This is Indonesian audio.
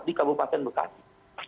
di kabupaten bekasi